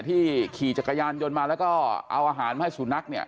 ขี่จักรยานยนต์มาแล้วก็เอาอาหารมาให้สุนัขเนี่ย